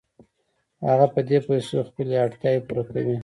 هغه په دې پیسو خپلې اړتیاوې پوره کوي